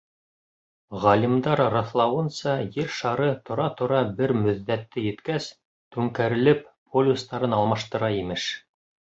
Ғалимдар раҫлауынса, Ер шары, тора-тора, бер мөҙҙәте еткәс, түңкәрелеп, полюстарын алмаштыра, имеш.